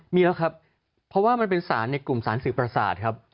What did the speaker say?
มีแล้วครับเพราะว่ามันเป็นสารในกลุ่มสารสื่อประสาทครับ